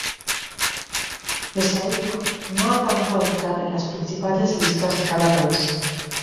Pese a ello, no alcanzó a entrar en las principales listas de cada país.